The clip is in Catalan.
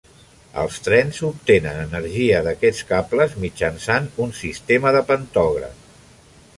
Els trens obtenen energia d'aquests cables mitjançant un sistema de pantògraf.